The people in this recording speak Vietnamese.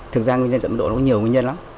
thực ra nguyên nhân trận đổ có nhiều nguyên nhân lắm